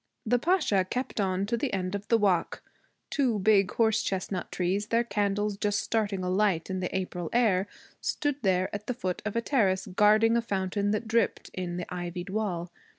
The Pasha kept on to the end of the walk. Two big horse chestnut trees, their candles just starting alight in the April air, stood there at the foot of a terrace, guarding a fountain that dripped in the ivied wall.